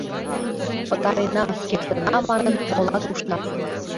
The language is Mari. — Пытарена, кертына, — манын, молат ушнат.